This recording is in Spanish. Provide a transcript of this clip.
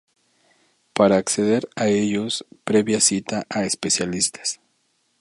Para acceder a ellos previa cita a especialistas.